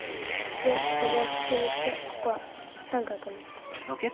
でここもつつにしてここはさんかくにした。